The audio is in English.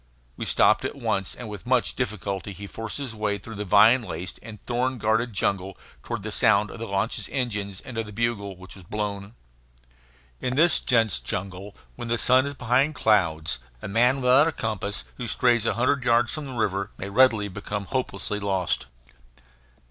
We stopped at once, and with much difficulty he forced his way through the vine laced and thorn guarded jungle toward the sound of the launch's engines and of the bugle which was blown. In this dense jungle, when the sun is behind clouds, a man without a compass who strays a hundred yards from the river may readily become hopelessly lost.